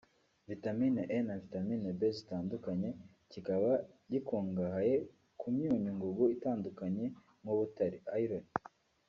Vitamin E na Vitamin B zitandukanye kikaba gikungahaye ku myunyu ngugu itandukanye nk’ubutare(Iron)